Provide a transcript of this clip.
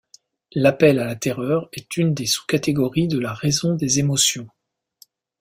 L'appel à la terreur est une des sous-catégories de la raison des émotions.